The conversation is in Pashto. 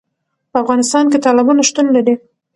په افغانستان کې تالابونه شتون لري.